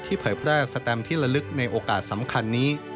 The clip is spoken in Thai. เผยแพร่สแตมที่ละลึกในโอกาสสำคัญนี้